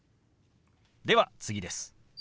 では次です。